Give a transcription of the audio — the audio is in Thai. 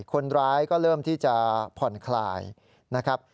คนร้ายก็เริ่มที่จะผ่อนคลายนะครับ